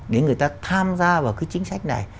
để người ta tham gia vào cái chính sách này